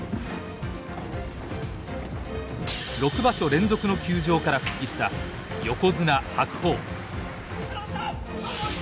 ６場所連続の休場から復帰した横綱白鵬。